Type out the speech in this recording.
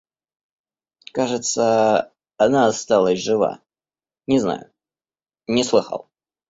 Кажется, она осталась жива, — не знаю, не слыхал.